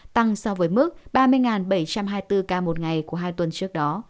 tăng so với mức ba mươi bảy trăm hai mươi bốn ca một ngày của hai tuần trước đó